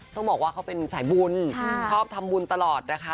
ต้องบอกว่าเขาเป็นสายบุญชอบทำบุญตลอดนะคะ